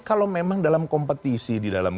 kalau memang dalam kompetisi di dalam